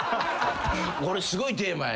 これすごいテーマやね。